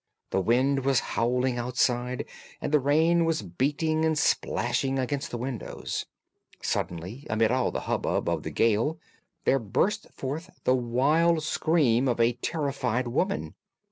The wind was howling outside, and the rain was beating and splashing against the windows. Suddenly, amid all the hubbub of the gale, there burst forth the wild scream of a terrified woman.